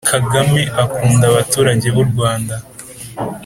Kagame akunda abaturage b’urawnda